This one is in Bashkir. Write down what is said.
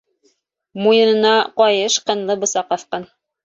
Муйынына ҡайыш ҡынлы бысаҡ аҫҡан.